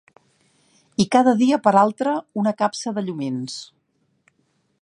...i cada dia per altre una capsa de llumins